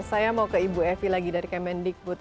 saya mau ke ibu evi lagi dari kemendikbud